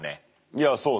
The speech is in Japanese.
いやそうね。